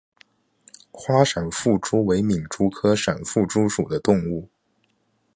花闪腹蛛为皿蛛科闪腹蛛属的动物。